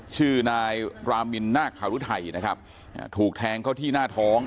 ชื่อนายรามินนาคารุไทยนะครับอ่าถูกแทงเข้าที่หน้าท้อง